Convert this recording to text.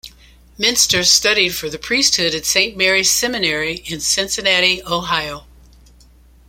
Menster studied for the priesthood at Saint Mary's Seminary in Cincinnati, Ohio.